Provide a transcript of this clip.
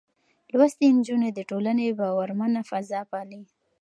لوستې نجونې د ټولنې باورمنه فضا پالي.